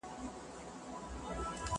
جنونه اوس مي پښو ته زولنې لرې که نه.